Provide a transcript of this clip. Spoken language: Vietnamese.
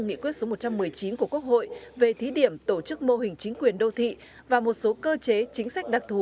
nghị quyết số một trăm một mươi chín của quốc hội về thí điểm tổ chức mô hình chính quyền đô thị và một số cơ chế chính sách đặc thù